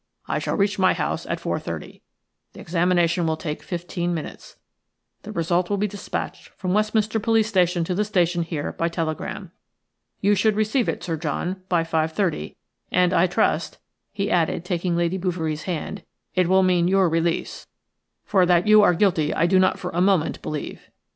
"I shall reach my house at 4.30; the examination will take fifteen minutes; the result will be dispatched from Westminster police station to the station here by telegram. You should receive it, Sir John, by 5.30, and I trust," he added, taking Lady Bouverie's hand, "it will mean your release, for that you are guilty I do not for a moment believe.